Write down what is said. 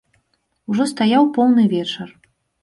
Ужо стаяў поўны вечар.